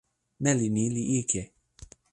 meli ni li ike.